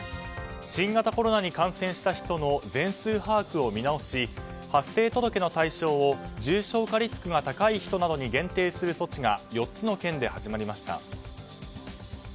新型コロナに感染した人の全数把握を見直し発生届の対象を重症化リスクが高い人などに限定する措置が４つの県で始まりました。